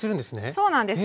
そうなんですよ。